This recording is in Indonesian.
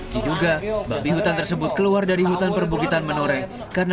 di juga babi hutan tersebut menyerang ahmad